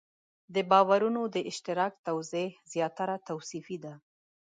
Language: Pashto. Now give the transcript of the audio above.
د باورونو د اشتراک توضیح زیاتره توصیفي ده.